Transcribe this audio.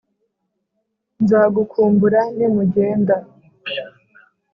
nzagukumbura nimugenda,